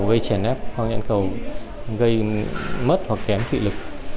vây chảy nét khoang nhãn cầu gây mất hoặc kém thị lực